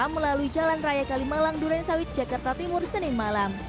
melalui jalan raya kalimalang durensawit jakarta timur senin malam